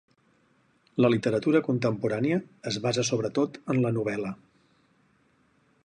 La literatura contemporània es basa sobretot en la novel·la.